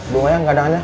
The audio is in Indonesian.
gimana ya keadaannya